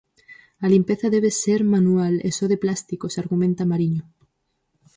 A limpeza debe ser manual e só de plásticos, argumenta Mariño.